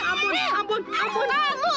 ampun ampun ampun